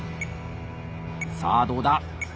さあどうだ？